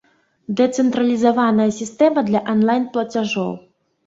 Дэцэнтралізаваная сістэма для анлайн-плацяжоў!